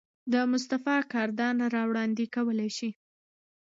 د مصطفى کردار را وړاندې کولے شي.